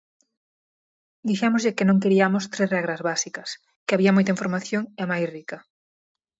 Dixémoslle que non queriamos tres regras básicas, que había moita información e máis rica.